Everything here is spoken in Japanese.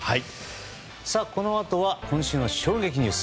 このあとは今週の衝撃ニュース。